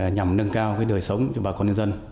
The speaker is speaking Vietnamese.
nhằm nâng cao đời sống cho bà con nhân dân